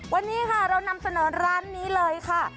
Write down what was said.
วันนี้ค่ะเรานำเสนอร้านนี้เลยค่ะ